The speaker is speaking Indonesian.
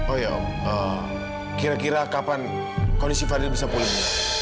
oh ya kira kira kapan kondisi fadil bisa pulih